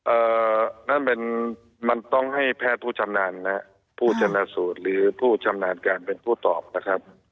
นั่นเป็นมันต้องให้แพทย์ผู้ชำนาญนะฮะผู้ชนะสูตรหรือผู้ชำนาญการเป็นผู้ตอบนะครับ